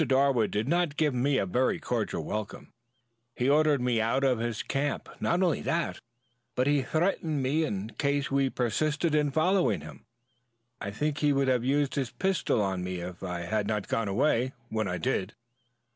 Darwood did not give me a very cordial welcome; he ordered me out of his camp. Not only that, but he threatened me in case we persisted in following him. I think he would have used his pistol on me if I had not gone away when I did."